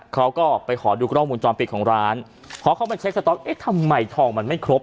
เขาก็ไปขอดูกล้องวงจรปิดของร้านพอเข้ามาเช็คสต๊อกเอ๊ะทำไมทองมันไม่ครบ